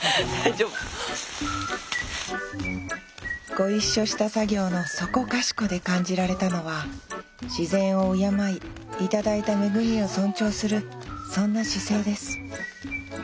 ご一緒した作業のそこかしこで感じられたのは自然を敬い頂いた恵みを尊重するそんな姿勢です。